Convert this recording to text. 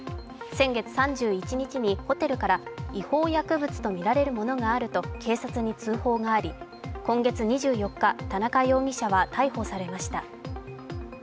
先月３１日にホテルから違法薬物とみられるものがあると警察に通報があり、今月２４日田中容疑者は逮捕されました。